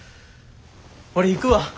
俺行くわ。